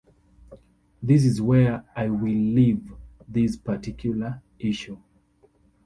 This is where I will leave this particular issue.